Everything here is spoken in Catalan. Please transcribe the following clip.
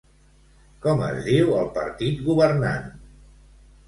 Com és diu el partit governant?